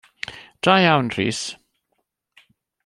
Da iawn Rhys!